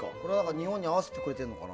日本に合わせてくれてるのかな。